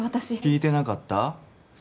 聞いてなかった？